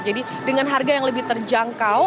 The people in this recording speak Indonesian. jadi dengan harga yang lebih terjangkau